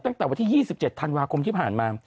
ตั้งแต่วันที่๒๗ธันวาคมที่ผ่านมา